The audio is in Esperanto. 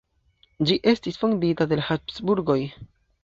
Ĝi estis fondita de la Habsburgoj.